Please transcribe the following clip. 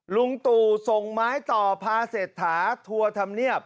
ลุงตู่ส่งไม้ต่อพาเศรษฐาทัวร์ธรรมเนียบ